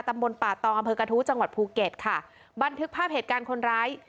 ตำบลป่าตองอำเภอกระทู้จังหวัดภูเก็ตค่ะบันทึกภาพเหตุการณ์คนร้าย